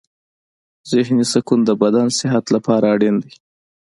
ذهني سکون د بدن صحت لپاره اړین دی.